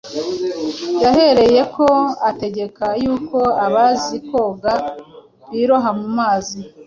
Yahereyeko “ategeka yuko abazi koga biroha mu mazi,